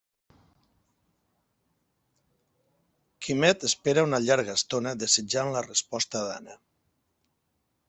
Quimet espera una llarga estona desitjant la resposta d'Anna.